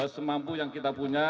semampu yang kita punya